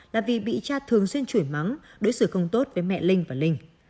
là vì bị cha thường xuyên chuyển mắng đối xử không tốt với mẹ linh và linh